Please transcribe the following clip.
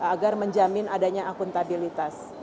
agar menjamin adanya akuntabilitas